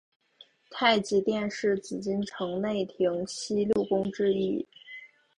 太极殿是紫禁城内廷西六宫之一。